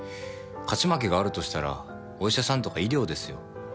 勝ち負けがあるとしたらお医者さんとか医療ですよ。